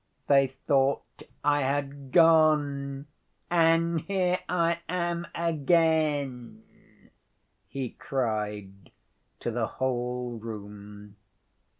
"They thought I had gone, and here I am again," he cried to the whole room.